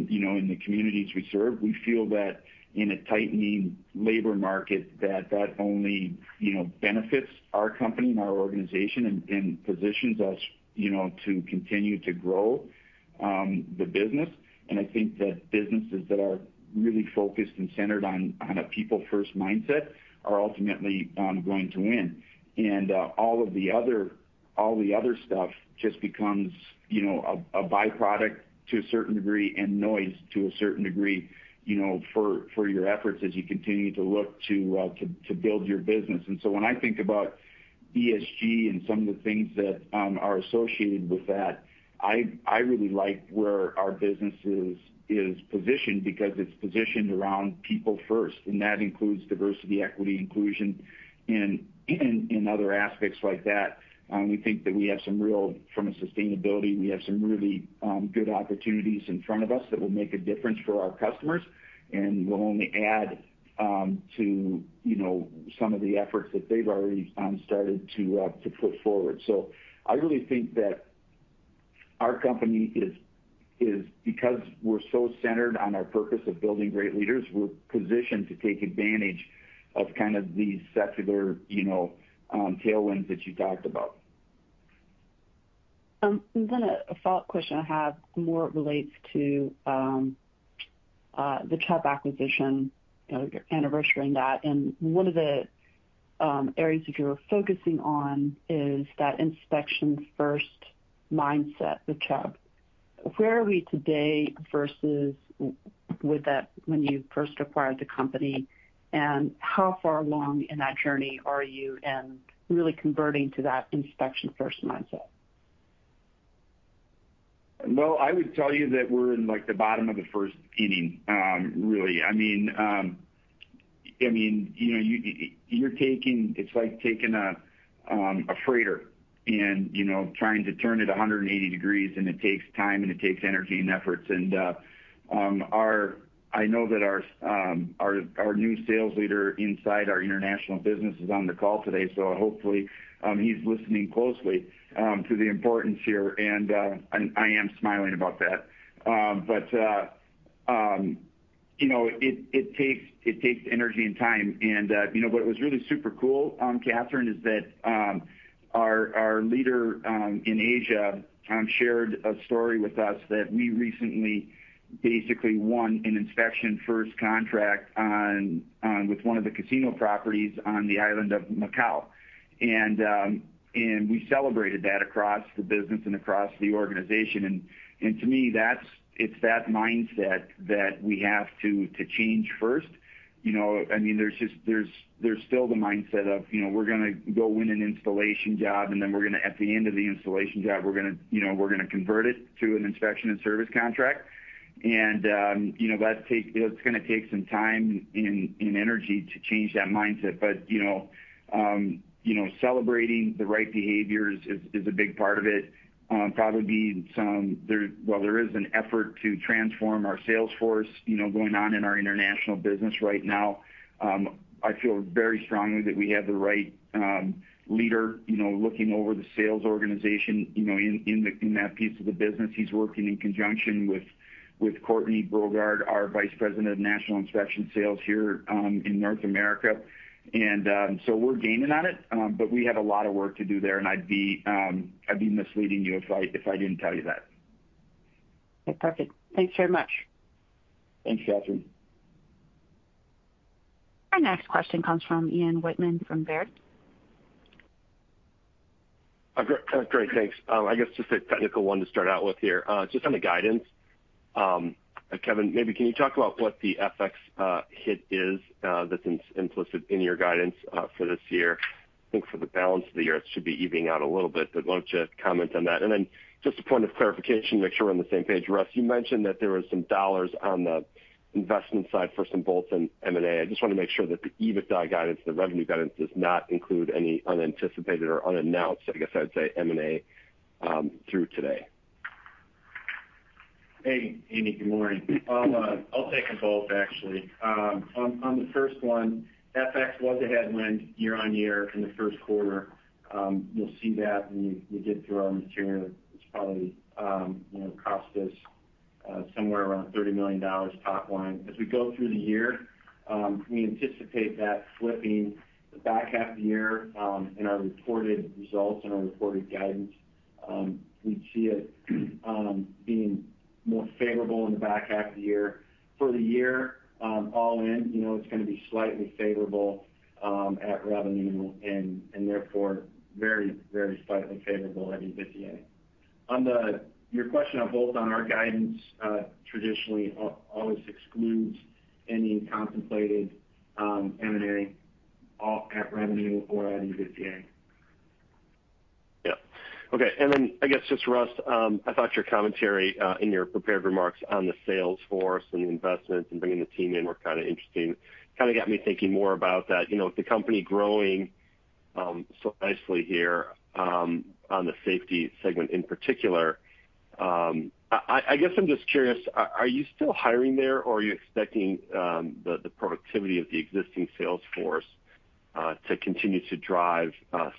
you know, in the communities we serve, we feel that in a tightening labor market that that only, you know, benefits our company and our organization and positions us, you know, to continue to grow the business. I think that businesses that are really focused and centered on a people-first mindset are ultimately going to win. All the other stuff just becomes, you know, a byproduct to a certain degree noise to a certain degree, you know, for your efforts as you continue to look to build your business. When I think about ESG and some of the things that are associated with that, I really like where our business is positioned because it's positioned around people first that includes diversity, equity, inclusion other aspects like that. We think that we have some real... From a sustainability, we have some really good opportunities in front of us that will make a difference for our customers and will only add to, you know, some of the efforts that they've already started to put forward. I really think that our company is because we're so centered on our purpose of building great leaders, we're positioned to take advantage of kind of these secular, you know, tailwinds that you talked about. Then a follow-up question I have more relates to the Chubb acquisition, you know, you're anniversarying that. One of the areas that you're focusing on is that inspection first mindset with Chubb. Where are we today versus with that when you first acquired the company? How far along in that journey are you in really converting to that inspection first mindset? I would tell you that we're in, like, the bottom of the first inning, really. You know, It's like taking a freighter and, you know, trying to turn it 180 degrees it takes time it takes energy and efforts. I know that our new sales leader inside our international business is on the call today, hopefully, he's listening closely to the importance here. I am smiling about that. You know, it takes energy and time. You know, what was really super cool, Kathryn, is that our leader in Asia shared a story with us that we recently basically won an inspection first contract on. with one of the casino properties on the island of Macau. We celebrated that across the business and across the organization. To me, it's that mindset that we have to change first. You know, I mean, there's still the mindset of, you know, we're gonna go win an installation job then we're gonna at the end of the installation job, we're gonna, you know, we're gonna convert it to an inspection and service contract. You know, it's gonna take some time and energy to change that mindset. You know, celebrating the right behaviors is a big part of it. Well, there is an effort to transform our sales force, you know, going on in our international business right now. I feel very strongly that we have the right leader, you know, looking over the sales organization, you know, in that piece of the business. He's working in conjunction with Courtney Brogard, our Vice President of National Inspection Sales here in North America. We're gaining on it we have a lot of work to do there I'd be misleading you if I didn't tell you that. Okay. Perfect. Thanks very much. Thanks, Kathryn. Our next question comes from Andrew Wittmann from Baird. Great. Thanks. I guess just a technical one to start out with here. Just on the guidance, Kevin, maybe can you talk about what the FX hit is that's implicit in your guidance for this year? I think for the balance of the year, it should be evening out a little bit. Why don't you comment on that? Just a point of clarification, make sure we're on the same page. Russ, you mentioned that there was some dollars on the investment side for some bolts in M&A. I just wanna make sure that the EBITDA guidance, the revenue guidance does not include any unanticipated or unannounced, I guess I'd say, M&A through today. Hey Andrew. Good morning. I'll take them both actually. On the first one, FX was a headwind year-over-year in the Q1. You'll see that when you get through our material. It's probably, you know, cost us somewhere around $30 million top line. As we go through the year, we anticipate that flipping the back half of the year in our reported results and our reported guidance. We see it being more favorable in the back half of the year. For the year, all in, you know, it's gonna be slightly favorable at revenue and therefore very, very slightly favorable at EBITDA. On your question on both on our guidance, traditionally always excludes any contemplated M&A all at revenue or at EBITDA. Yeah. Okay. I guess just Russ, I thought your commentary in your prepared remarks on the sales force and the investments and bringing the team in were kind of interesting. Kinda got me thinking more about that. You know, with the company growing so nicely here, on the Safety segment in particular. I guess I'm just curious, are you still hiring there, or are you expecting the productivity of the existing sales force to continue to drive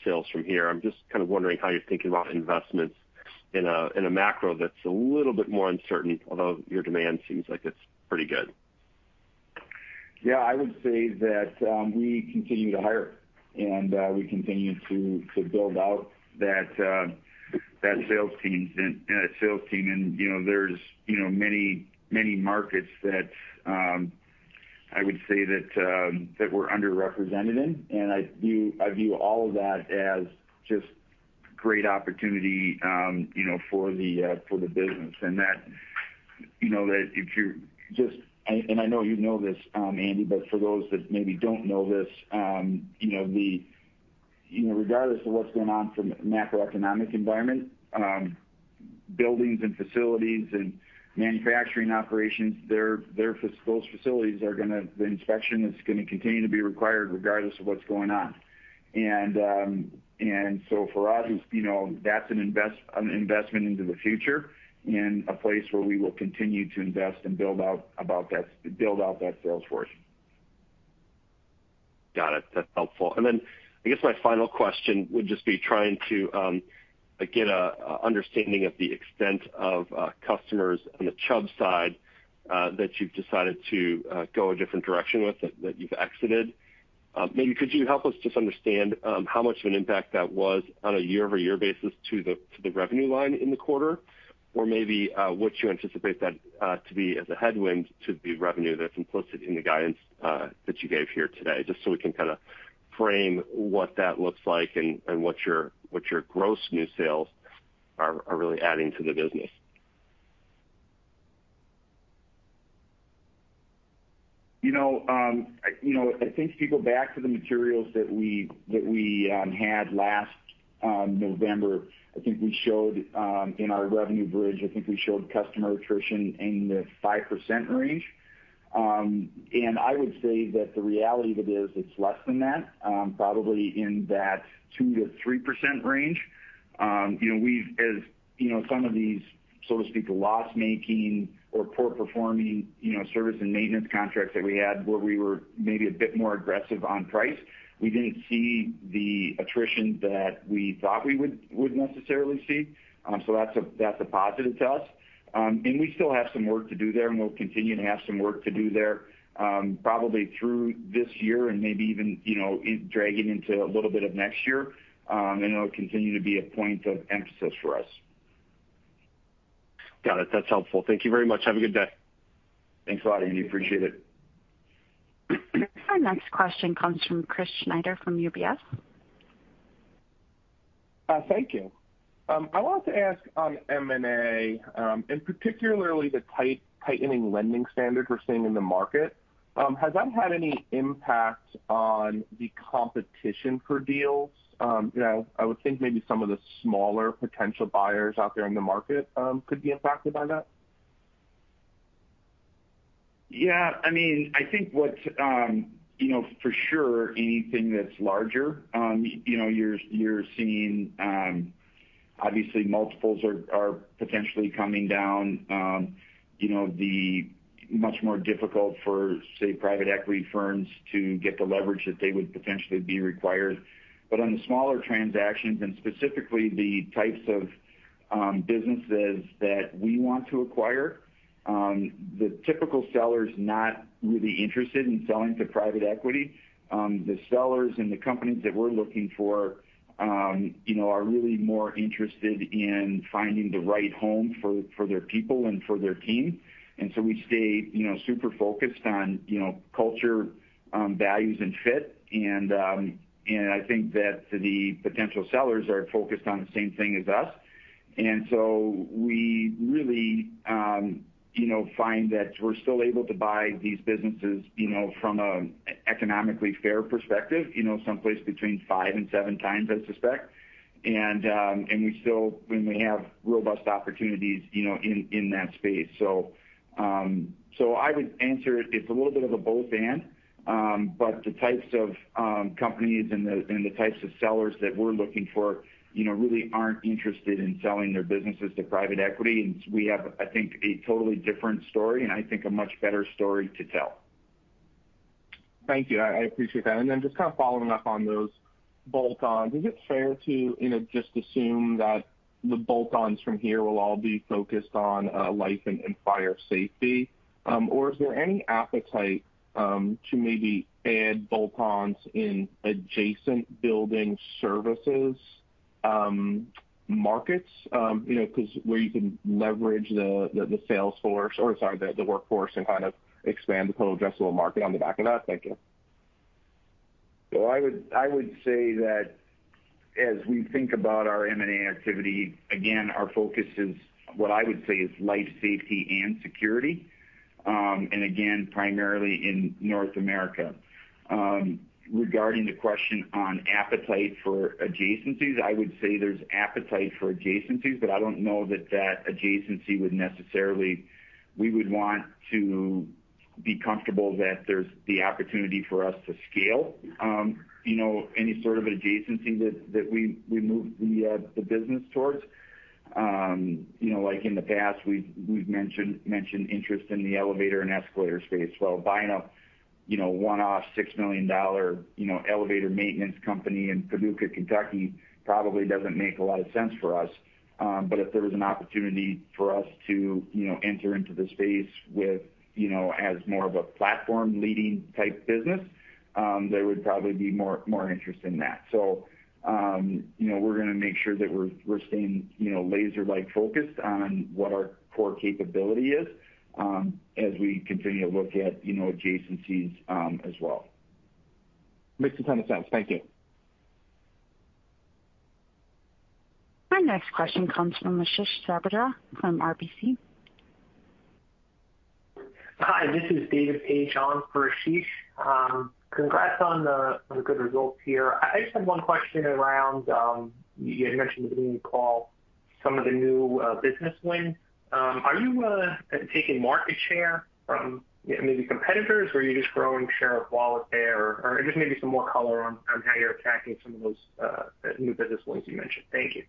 sales from here? I'm just kind of wondering how you're thinking about investments in a, in a macro that's a little bit more uncertain, although your demand seems like it's pretty good. Yeah, I would say that, we continue to hire and, we continue to build out that sales team. You know, there's, you know, many, many markets that, I would say that we're underrepresented in. I view, I view all of that as just great opportunity, you know, for the business. That, you know, that I know you know this y for those that maybe don't know this, You know, regardless of what's going on from a macroeconomic environment, buildings and facilities and manufacturing operations, those facilities are gonna continue to be required regardless of what's going on. For us, you know, that's an investment into the future and a place where we will continue to invest and build out that sales force. Got it. That's helpful. Then I guess my final question would just be trying to get a understanding of the extent of customers on the Chubb side that you've decided to go a different direction with, that you've exited. Maybe could you help us just understand how much of an impact that was on a year-over-year basis to the revenue line in the quarter? Or maybe what you anticipate that to be as a headwind to the revenue that's implicit in the guidance that you gave here today, just so we can kinda frame what that looks like and what your gross new sales are really adding to the business? You know, you know, I think if you go back to the materials that we had last November, I think we showed in our revenue bridge, I think we showed customer attrition in the 5% range. I would say that the reality of it is it's less than that, probably in that 2%-3% range. You know, as, you know, some of these, so to speak, loss-making or poor-performing, you know, service and maintenance contracts that we had where we were maybe a bit more aggressive on price, we didn't see the attrition that we thought we would necessarily see. That's a, that's a positive to us. We still have some work to do there we'll continue to have some work to do there, probably through this year and maybe even, you know, it dragging into a little bit of next year. It'll continue to be a point of emphasis for us. Got it. That's helpful. Thank you very much. Have a good day. Thanks a lot Andrew. Appreciate it. Our next question comes from Chris Snyder from UBS. Thank you. I wanted to ask on M&A. Particularly the tightening lending standard we're seeing in the market. Has that had any impact on the competition for deals? You know, I would think maybe some of the smaller potential buyers out there in the market could be impacted by that. Yeah, I mean, I think what's, for sure anything that's larger, you're seeing, obviously multiples are potentially coming down. Much more difficult for, say, private equity firms to get the leverage that they would potentially be required. On the smaller transactions and specifically the types of businesses that we want to acquire, the typical seller's not really interested in selling to private equity. The sellers and the companies that we're looking for, are really more interested in finding the right home for their people and for their team. We stay super focused on culture, values and fit. I think that the potential sellers are focused on the same thing as us. We really, you know, find that we're still able to buy these businesses, you know, from an economically fair perspective, you know, someplace between 5 and 7 times, I suspect. We have robust opportunities, you know, in that space. I would answer it's a little bit of a both and the types of companies and the types of sellers that we're looking for, you know, really aren't interested in selling their businesses to private equity. We have, I think, a totally different story and I think a much better story to tell. Thank you. I appreciate that. Then just kind of following up on those bolt-ons, is it fair to, you know, just assume that the bolt-ons from here will all be focused on life and fire safety? Is there any appetite to maybe add bolt-ons in adjacent building services markets, you know, 'cause where you can leverage the sales force, or sorry, the workforce and kind of expand the total addressable market on the back of that? Thank you. I would say that as we think about our M&A activity, again, our focus is, what I would say, is life safety and security again, primarily in North America. Regarding the question on appetite for adjacencies, I would say there's appetite for adjacencies I don't know that that adjacency would we would want to be comfortable that there's the opportunity for us to scale, you know, any sort of adjacency that we move the business towards. You know, like in the past, we've mentioned interest in the elevator and escalator space. Buying a, you know, one-off $6 million, you know, elevator maintenance company in Paducah, Kentucky, probably doesn't make a lot of sense for us. If there was an opportunity for us to, you know, enter into the space with, you know, as more of a platform leading type business, there would probably be more, more interest in that. You know, we're gonna make sure that we're staying, you know, laser-like focused on what our core capability is, as we continue to look at, you know, adjacencies, as well. Makes a ton of sense. Thank you. Our next question comes from Ashish Sabadra from RBC. Hi, this is David Paige on for Ashish. Congrats on the good results here. I just have one question around, you had mentioned at the beginning of the call some of the new business wins. Are you taking market share from maybe competitors, or are you just growing share of wallet there, or just maybe some more color on how you're attacking some of those new business wins you mentioned? Thank you.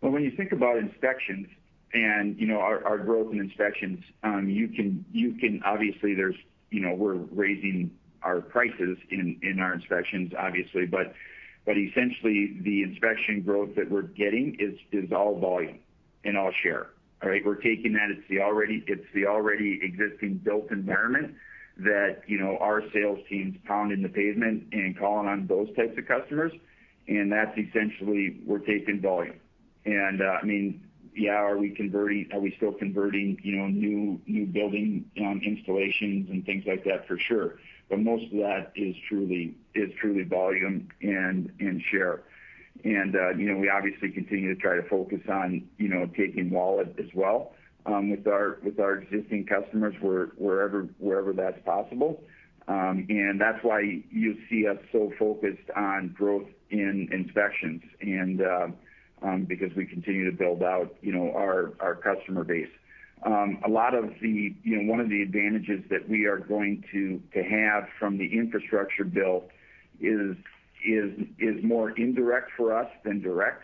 Well, when you think about inspections and, you know, our growth in inspections, obviously there's, you know, we're raising our prices in our inspections, obviously. Essentially, the inspection growth that we're getting is all volume and all share. All right? We're taking that. It's the already existing built environment that, you know, our sales teams pounding the pavement and calling on those types of customers that's essentially we're taking volume. I mean, yeah, are we still converting, you know, new building installations and things like that? For sure. Most of that is truly volume and share. We obviously continue to try to focus on, you know, taking wallet as well with our existing customers wherever that's possible. That's why you see us so focused on growth in inspections and because we continue to build out, you know, our customer base. A lot of the, you know, one of the advantages that we are going to have from the Infrastructure Bill is more indirect for us than direct.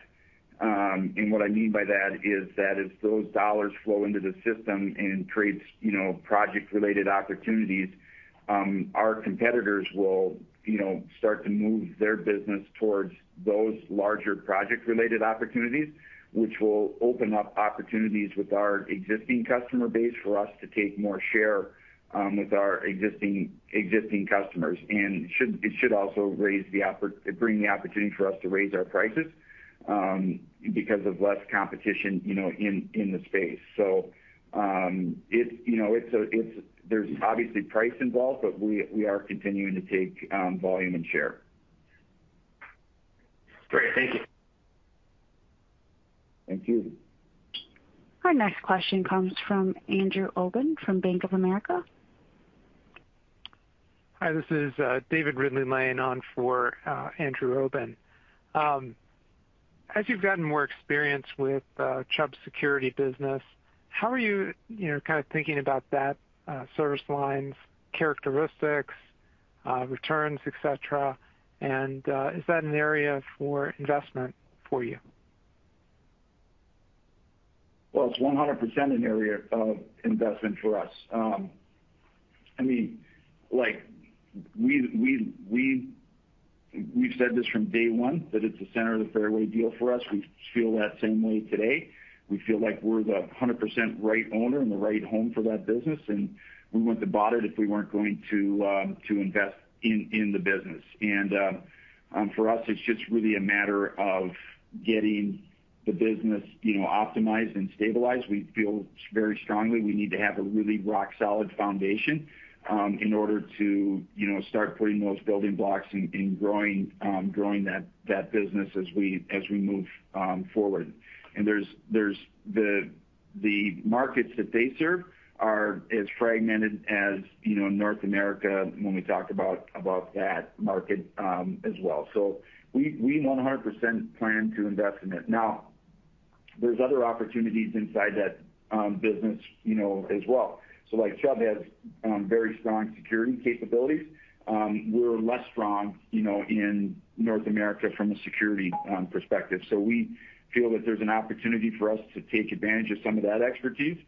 What I mean by that is that as those dollars flow into the system and creates, you know, project-related opportunities, our competitors will, you know, start to move their business towards those larger project-related opportunities, which will open up opportunities with our existing customer base for us to take more share with our existing customers. It should also bring the opportunity for us to raise our prices, because of less competition, you know, in the space. It's, you know, there's obviously price involved we are continuing to take, volume and share. Great. Thank you. Thank you. Our next question comes from Andrew Obin from Bank of America. Hi, this is David Ridley-Lane on for Andrew Obin. As you've gotten more experience with Chubb security business, how are you know, kind of thinking about that service line's characteristics, returns, et cetera? Is that an area for investment for you? Well, it's 100% an area of investment for us. I mean, like, we've said this from day one, that it's the center of the fairway deal for us. We feel that same way today. We feel like we're the 100% right owner in the right home for that business we wouldn't have bought it if we weren't going to invest in the business. For us, it's just really a matter of getting the business, you know, optimized and stabilized. We feel very strongly we need to have a really rock solid foundation, in order to, you know, start putting those building blocks and growing that business as we move forward. There's the markets that they serve are as fragmented as, you know, North America when we talked about that market as well. We 100% plan to invest in it. There's other opportunities inside that business, you know, as well. Like, Chubb has very strong security capabilities. We're less strong, you know, in North America from a security perspective. We feel that there's an opportunity for us to take advantage of some of that expertise,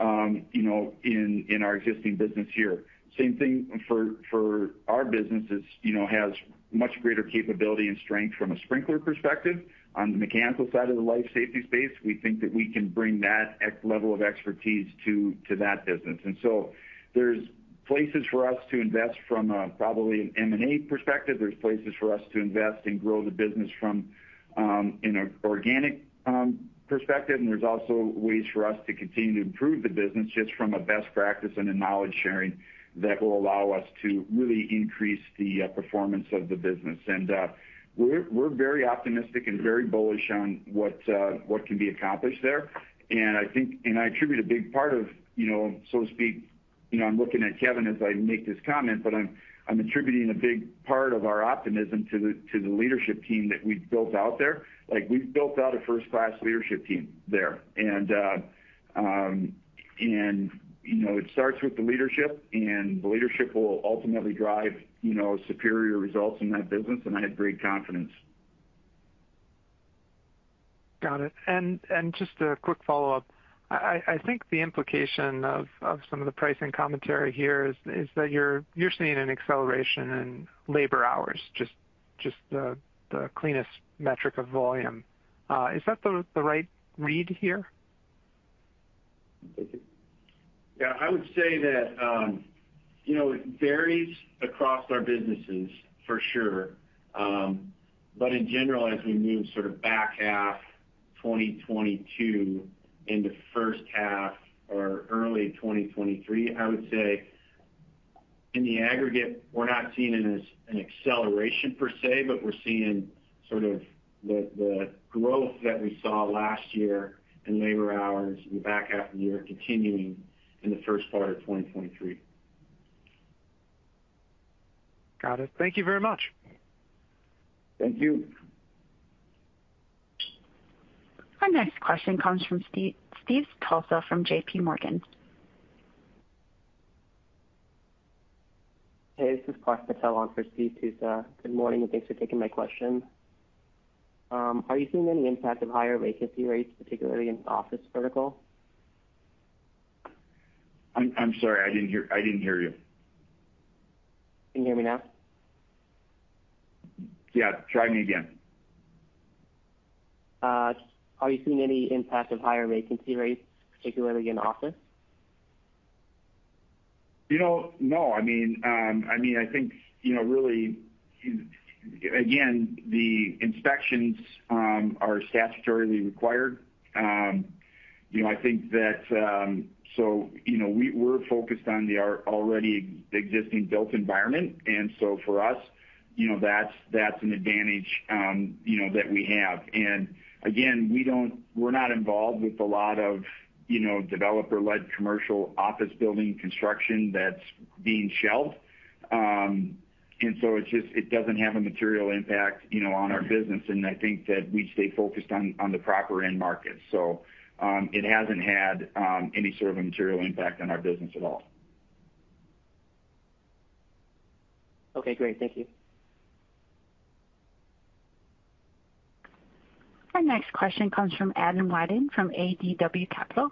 you know, in our existing business here. Same thing for our business is, you know, has much greater capability and strength from a sprinkler perspective. On the mechanical side of the life safety space, we think that we can bring that level of expertise to that business. There's places for us to invest from, probably an M&A perspective. There's places for us to invest and grow the business from, in an organic perspective. There's also ways for us to continue to improve the business just from a best practice and a knowledge sharing that will allow us to really increase the performance of the business. We're very optimistic and very bullish on what can be accomplished there. I attribute a big part of, you know, so to speak, you know, I'm looking at Kevin as I make this comment I'm attributing a big part of our optimism to the leadership team that we've built out there. Like, we've built out a first-class leadership team there. You know, it starts with the leadership the leadership will ultimately drive, you know, superior results in that business I have great confidence. Got it. Just a quick follow-up. I think the implication of some of the pricing commentary here is that you're seeing an acceleration in labor hours, just the cleanest metric of volume. Is that the right read here? Yeah, I would say that, you know, it varies across our businesses for sure. In general, as we move sort of back half 2022 into first half or early 2023, I would say in the aggregate, we're not seeing it as an acceleration per se we're seeing sort of the growth that we saw last year in labor hours in the back half of the year continuing in the first part of 2023. Got it. Thank you very much. Thank you. Our next question comes from Steve, Stephen Tusa from J.P. Morgan. Hey, this is Kaushik Patel on for Stephen Tusa. Good morning thanks for taking my question. Are you seeing any impact of higher vacancy rates, particularly in the office vertical? I'm sorry, I didn't hear you. Can you hear me now? Yeah, try me again. Are you seeing any impact of higher vacancy rates, particularly in office? You know, no. I mean, I mean, I think, you know, really, again, the inspections are statutorily required. You know, I think that, you know, we're focused on the already existing built environment, for us, you know, that's an advantage, you know, that we have. Again, we're not involved with a lot of, you know, developer-led commercial office building construction that's being shelved. It doesn't have a material impact, you know, on our business. I think that we stay focused on the proper end market. It hasn't had any sort of a material impact on our business at all. Okay, great. Thank you. Our next question comes from Adam Wyden from ADW Capital.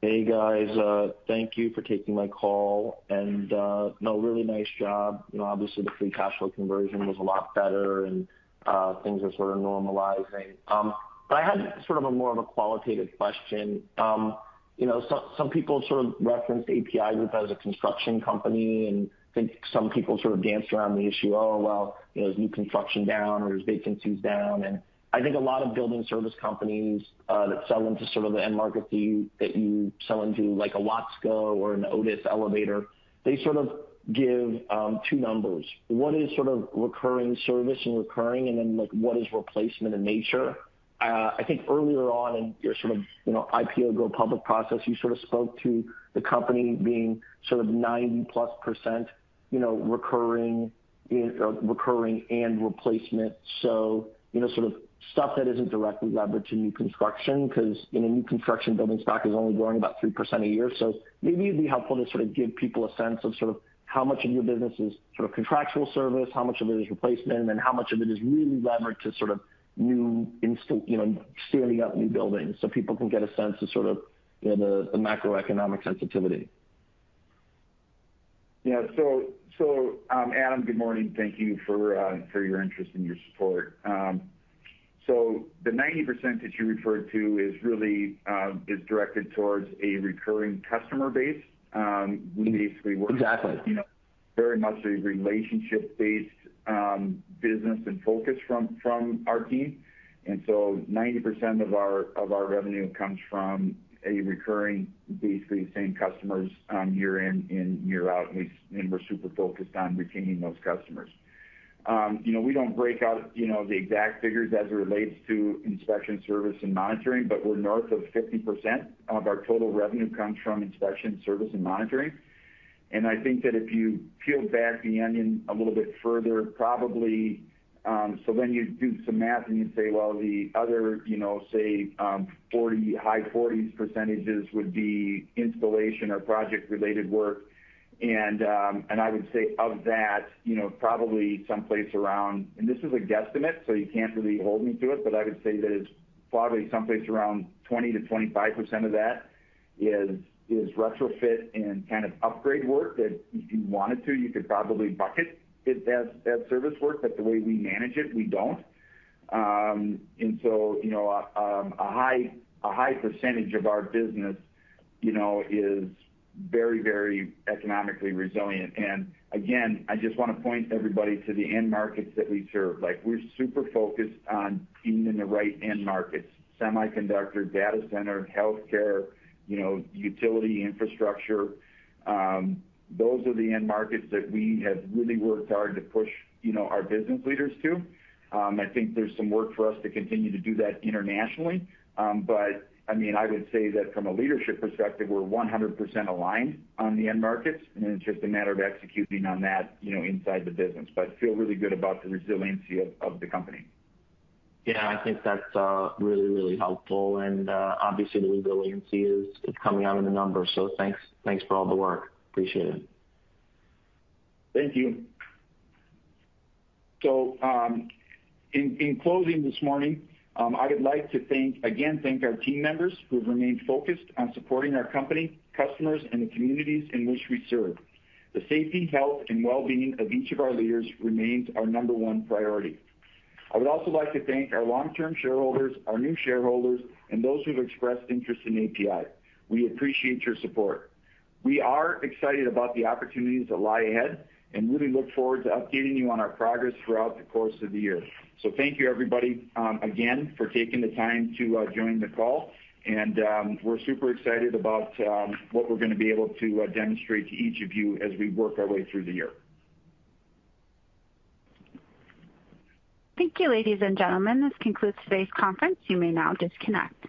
Hey, guys. Thank you for taking my call. No really nice job. You know, obviously, the free cash flow conversion was a lot better and things are sort of normalizing. I had sort of a more of a qualitative question. You know, some people sort of reference APi Group as a construction company, I think some people sort of danced around the issue, "Oh, well, you know, is new construction down or is vacancies down?" I think a lot of building service companies that sell into sort of the end markets that you sell into, like a Watsco or an Otis Elevator, they sort of give 2 numbers. One is sort of recurring service and recurring then, like, what is replacement in nature. I think earlier on in your sort of, you know, IPO go public process, you sort of spoke to the company being sort of 90+% you know, recurring and replacement. You know, sort of stuff that isn't directly leveraged to new construction 'cause, you know, new construction building stock is only growing about 3% a year. Maybe it'd be helpful to sort of give people a sense of sort of how much of your business is sort of contractual service, how much of it is replacement how much of it is really levered to sort of new instant, you know, standing up new buildings so people can get a sense of sort of, you know, the macroeconomic sensitivity. Yeah. Adam, good morning. Thank you for your interest and your support. The 90% that you referred to is really, is directed towards a recurring customer base. Exactly. You know, very much a relationship based business and focus from our team. Ninety percent of our revenue comes from a recurring, basically the same customers, year in and year out we're super focused on retaining those customers. You know, we don't break out, you know, the exact figures as it relates to inspection service and monitoring we're north of 50% of our total revenue comes from inspection service and monitoring. I think that if you peel back the onion a little bit further, probably. You do some math and you say, well, the other, you know, say, 40%, high 40s% would be installation or project related work. I would say of that, you know, probably someplace around... This is a guesstimate, so you can't really hold me to it I would say that it's probably someplace around 20%-25% of that is retrofit and kind of upgrade work that if you wanted to, you could probably bucket it as service work. The way we manage it, we don't. You know, a high percentage of our business, you know, is very, very economically resilient. Again, I just wanna point everybody to the end markets that we serve. Like, we're super focused on being in the right end markets, semiconductor, data center, healthcare, you know, utility infrastructure. Those are the end markets that we have really worked hard to push, you know, our business leaders to. I think there's some work for us to continue to do that internationally. I mean, I would say that from a leadership perspective, we're 100% aligned on the end markets, it's just a matter of executing on that, you know, inside the business. I feel really good about the resiliency of the company. Yeah, I think that's really really helpful. Obviously the resiliency is coming out in the numbers, so thanks for all the work. Appreciate it. Thank you. In, in closing this morning, I would like to again, thank our team members who have remained focused on supporting our company, customers the communities in which we serve. The safety, health well-being of each of our leaders remains our number one priority. I would also like to thank our long-term shareholders, our new shareholders those who've expressed interest in APi. We appreciate your support. We are excited about the opportunities that lie ahead and really look forward to updating you on our progress throughout the course of the year. Thank you everybody, again for taking the time to join the call. We're super excited about what we're gonna be able to demonstrate to each of you as we work our way through the year. Thank you, ladies and gentlemen. This concludes today's conference. You may now disconnect.